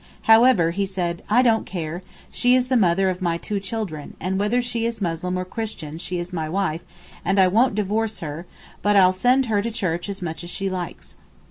However he said, 'I don't care, she is the mother of my two children, and whether she is Muslim or Christian she is my wife, and I won't divorce her, but I'll send her to church as much as she likes.